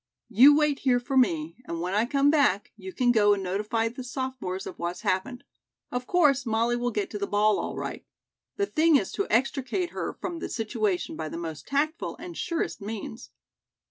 "You wait here for me, and when I come back, you can go and notify the sophomores of what's happened. Of course, Molly will get to the ball all right. The thing is to extricate her from the situation by the most tactful and surest means."